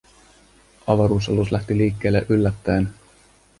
Avaruusalus lähti liikkeelle yllättäen.